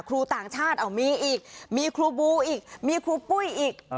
ต่างชาติมีอีกมีครูบูอีกมีครูปุ้ยอีก